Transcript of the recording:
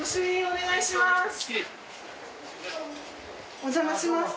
お邪魔します。